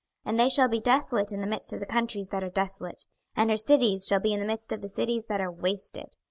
26:030:007 And they shall be desolate in the midst of the countries that are desolate, and her cities shall be in the midst of the cities that are wasted.